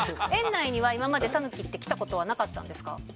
園内には今までタヌキって来たことはなかったんですか？